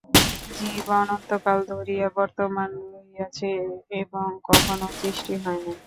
জীব অনন্তকাল ধরিয়া বর্তমান রহিয়াছে এবং কখনও সৃষ্টি হয় নাই।